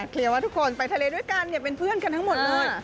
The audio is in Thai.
ว่าทุกคนไปทะเลด้วยกันเป็นเพื่อนกันทั้งหมดเลย